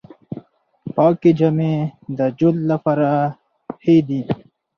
پاکې جامې د جلد لپاره ښې دي۔